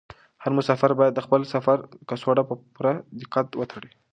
هر مسافر باید د خپل سفر کڅوړه په پوره دقت وتړي.